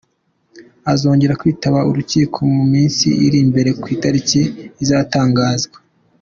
Azongera kwitaba urukiko mu minsi iri imbere, ku itariki izatangazwa.